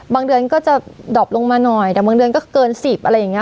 เดือนก็จะดอบลงมาหน่อยแต่บางเดือนก็เกิน๑๐อะไรอย่างนี้